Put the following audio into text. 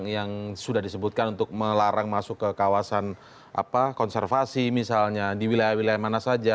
yang sudah disebutkan untuk melarang masuk ke kawasan konservasi misalnya di wilayah wilayah mana saja